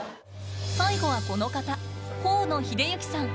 最後はこの方、河野秀之さん。